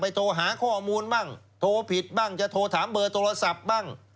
โทรหาข้อมูลบ้างโทรผิดบ้างจะโทรถามเบอร์โทรศัพท์บ้าง